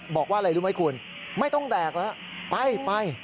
โทษทีโทษทีโทษที